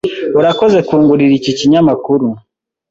Urakoze kungurira iki kinyamakuru.